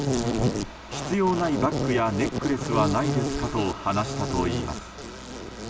必要ないバッグやネックレスはないですか？と話したといいます。